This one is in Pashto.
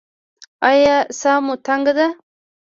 ایا ساه مو تنګه ده؟